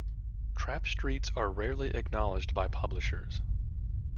Trap streets are rarely acknowledged by publishers.